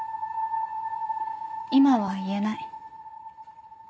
今は言えない。